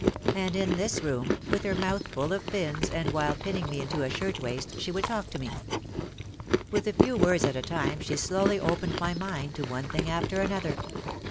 ,, And in this room, with her mouth full of pins and while pinning me into a shirt waist, she would talk to me. With a few words at a time she slowly opened my mind to one thing after another.